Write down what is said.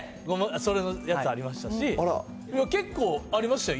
それのやつありましたし、結構ありましたよ、家。